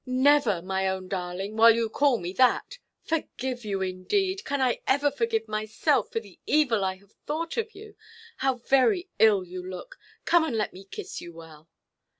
"Never, my own darling, while you call me that. Forgive you indeed! Can I ever forgive myself, for the evil I have thought of you? How very ill you look! Come and let me kiss you well."